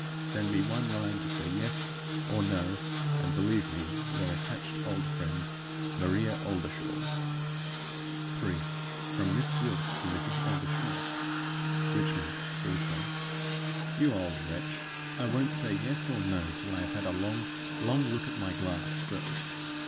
"Send me one line to say Yes or No; and believe me your attached old friend, "MARIA OLDERSHAW." 3. From Miss Gwilt to Mrs. Oldershaw. Richmond, Thursday. 'YOU OLD WRETCH I won't say Yes or No till I have had a long, long look at my glass first.